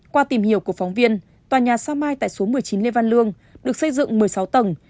qua tìm hiểu của phóng viên tòa nhà sao mai tại số một mươi chín lê văn lương được xây dựng một mươi sáu tầng